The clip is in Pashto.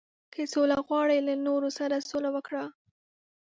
• که سوله غواړې، له نورو سره سوله وکړه.